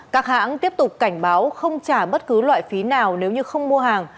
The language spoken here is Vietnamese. các hãng tiếp tục cảnh báo không trả bất cứ loại phí nào nếu như không mua hàng